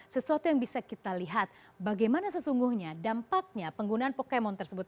sesuatu yang bisa kita lihat bagaimana sesungguhnya dampaknya penggunaan pokemon tersebut